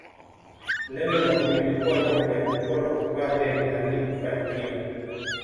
Lengo la kuilipua lami ya kutua na kupaa ndege halikufanikiwa